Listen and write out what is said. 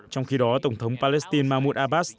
trong khi đó tổng thống palestine mahmoud abbas